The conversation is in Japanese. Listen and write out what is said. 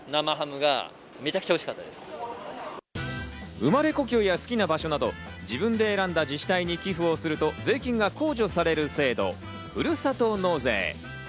生まれ故郷や、好きな場所など自分で選んだ自治体に寄付をすると税金が控除される制度、ふるさと納税。